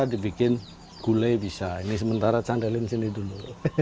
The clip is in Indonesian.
dibikin gulai bisa ini sementara candalin sini dulu